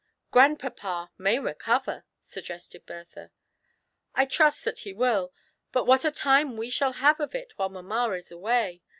"Grandpapa may recover," suggested Bertha. I trust that he will; but what a time we shall have of it while mamma is away